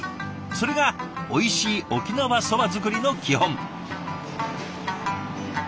それがおいしい沖縄そば作りの基本。